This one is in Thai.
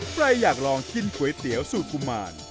ใครอยากลองกินก๋วยเตี๋ยวสูตรกุมาร